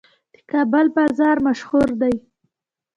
د کابل بازان مشهور دي